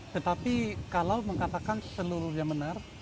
tetapi kalau mengatakan seluruhnya benar